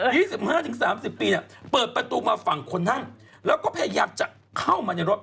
๒๕๓๐ปีเนี้ยเติบประตูมาฝั่งคนนั่งแล้วก็พยายามจะเข้ามาในรถ